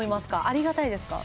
ありがたいですか？